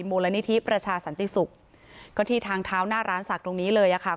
มูลนิธิประชาสันติศุกร์ก็ที่ทางเท้าหน้าร้านศักดิ์ตรงนี้เลยอ่ะค่ะ